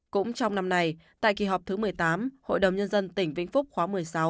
cũng trong năm nay tại kỳ họp thứ một mươi tám hội đồng nhân dân tỉnh vĩnh phúc khóa một mươi sáu